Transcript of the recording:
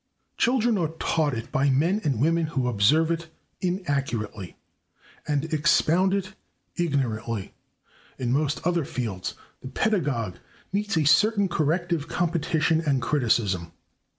Children are taught it by men and women who observe it inaccurately and expound it ignorantly. In most other fields the pedagogue meets a certain corrective competition and [Pg184] criticism.